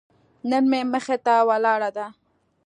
نن مې مخې ته ولاړه ده.